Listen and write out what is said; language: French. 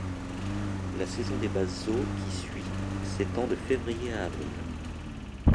La saison des basses eaux qui suit s'étend de février à avril.